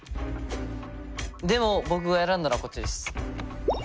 でも僕が選んだのはこっちです。